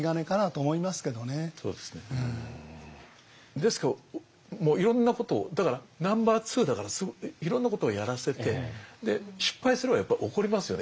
ですからもういろんなことをだからナンバー２だからいろんなことをやらせてで失敗すればやっぱり怒りますよね